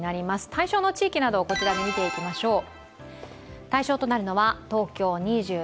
対象の地域などをこちらで見ていきましょう。